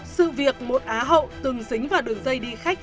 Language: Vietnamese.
sự việc một á hậu từng dính vào đường dây đi khách